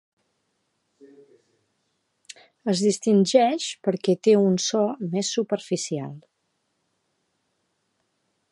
Es distingeix perquè té un so més superficial.